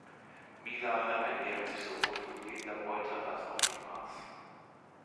Milane ernähren sich sowohl von lebender Beute als auch von Aas.